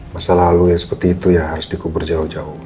masa lalu yang seperti itu ya harus dikubur jauh jauh